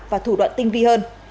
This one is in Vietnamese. và thủ đoạn tinh vi hơn